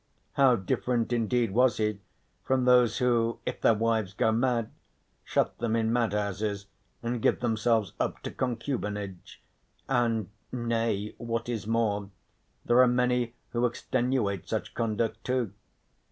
How different indeed was he from those who, if their wives go mad, shut them in madhouses and give themselves up to concubinage, and nay, what is more, there are many who extenuate such conduct too.